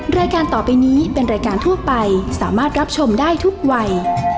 รายการต่อไปนี้เป็นรายการทั่วไปสามารถรับชมได้ทุกวัย